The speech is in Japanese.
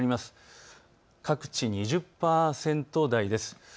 各地、２０％台です。